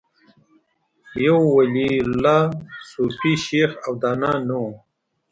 یو ولي الله، صوفي، شیخ او دانا نه و